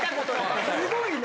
すごいな。